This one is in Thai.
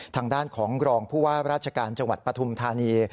ทางด้านของรองผู้ว่าราชการจังหวัดปฐุมธานี